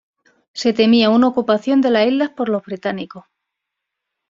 Se temía una ocupación de las islas por los británicos.